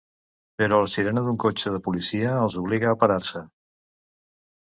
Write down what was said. Però la sirena d'un cotxe de policia els obliga a parar-se.